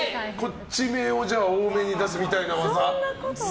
こっち目を多めに出すみたいな技？